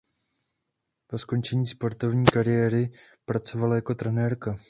Po skončení sportovní kariéry pracovala jako trenérka.